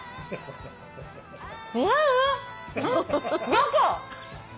中！